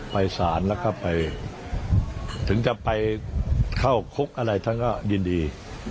ไปสารแล้วก็ไปถึงจะไปเข้าคุกอะไรท่านก็ยินดี